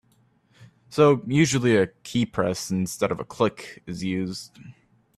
So usually a keypress instead of a click is used.